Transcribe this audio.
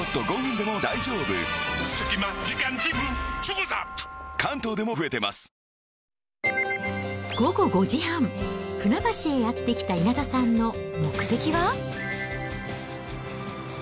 ぐっと今、午後５時半、船橋へやって来た稲田さんの目的は。